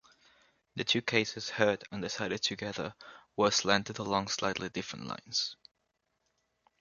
The two cases, heard and decided together, were slanted along slightly different lines.